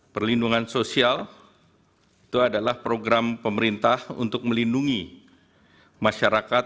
perlindungan sosial itu adalah program pemerintah untuk melindungi masyarakat